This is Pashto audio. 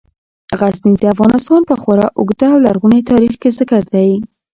غزني د افغانستان په خورا اوږده او لرغوني تاریخ کې ذکر دی.